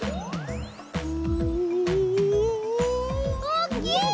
おっきい！